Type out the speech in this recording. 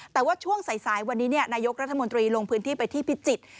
แต่ว่าช่วงสายวันนี้นายกรัฐมนตรีลงพื้นที่ไปที่พิจิตร